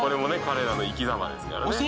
彼らの生き様ですからね。